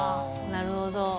なるほど。